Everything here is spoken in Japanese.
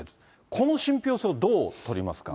この信ぴょう性をどう取りますか